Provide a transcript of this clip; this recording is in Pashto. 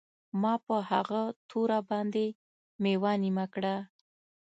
ما په هغه توره باندې میوه نیمه کړه